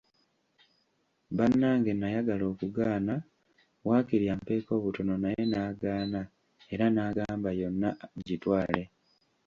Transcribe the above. Bannange nayagala okugaana waakiri ampeeko butono naye n'agaana era n'agamba yonna ngitwale.